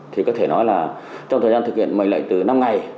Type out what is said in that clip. thì có thể nói là trong thời gian thực hiện mệnh lệnh từ năm ngày